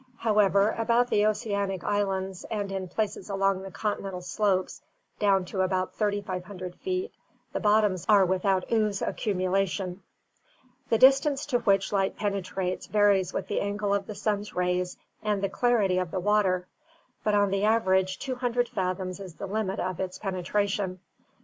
However, about the oceanic islands and in 382 ORGANIC EVOLUTION places along the continental slopes down to about 3500 feet the bottoms are without ooze accumulation. The distance to which light penetrates varies with the angle of the sun's rays and the clarity of the water; but on the average 200 fathoms is the limit of its penetration.